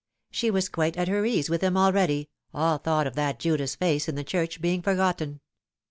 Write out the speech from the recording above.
She was quite at her ease with him already all thought of that Judas face in the church being forgotten.